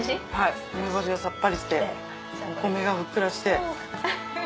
梅干しがさっぱりしてお米がふっくらして。